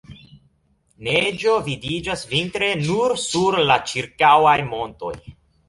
Neĝo vidiĝas vintre nur sur la ĉirkaŭaj montoj.